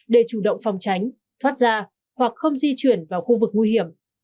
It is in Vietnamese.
để chủ động phòng tránh thoát ra hoặc không di chuyển vào khu vực nguy hiểm